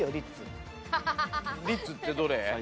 リッツってどれ？